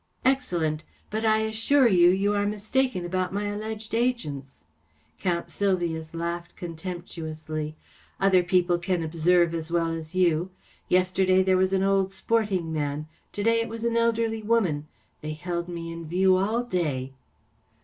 M Excellent ! But I assure you you are mistaken about my alleged agents/' Count Sylvius laughed contemptuously. " Other people can observe as well as you* Yesterday there was an old sporting man. To day it was an elderly woman* They held me in view all day.